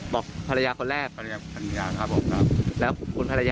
บอกภรรยาคนแรกแล้วคุณภรรยาครับทราบข่าวแล้วว่าไงระวังโดนหลอกอะไรนะ